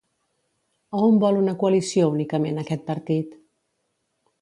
A on vol una coalició únicament aquest partit?